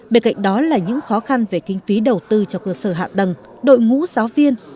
bên cạnh đó là những khó khăn về kinh phí đầu tư cho cơ sở hạ tầng đội ngũ giáo viên